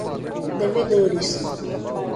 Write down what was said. devedores